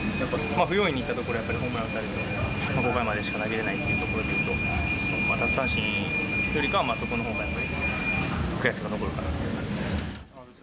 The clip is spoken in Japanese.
不用意にいったところは、やっぱりホームラン打たれて、５回までしか投げれなかったというところでいうと、奪三振よりかは、そこのほうがやっぱり、悔しさが残るかなという感じです。